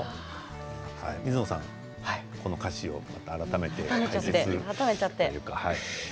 水野さん、この歌詞を改めて解説というか。